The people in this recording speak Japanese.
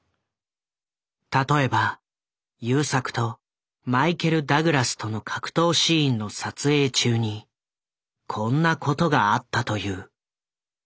例えば優作とマイケル・ダグラスとの格闘シーンの撮影中にこんなことがあったという。